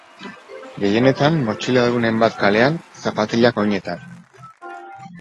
Gehienetan motxiladunen bat kalean, zapatilak oinetan.